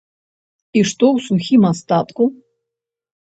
І што ў сухім астатку?